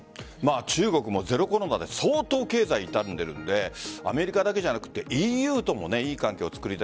中国もゼロコロナで相当経済、傷んでいるのでアメリカだけじゃなくＥＵともいい関係を作りたい。